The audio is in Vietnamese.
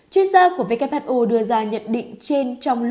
chuyên gia của who đưa ra nhận định trên